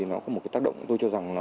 nó có một cái tác động tôi cho rằng là